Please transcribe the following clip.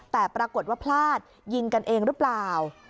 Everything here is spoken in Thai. แต่ปรากฏว่าพลาดยิงกันเองหรือเปล่า